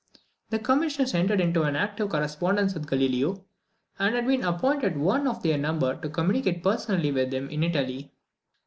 The commissioners entered into an active correspondence with Galileo, and had even appointed one of their number to communicate personally with him in Italy.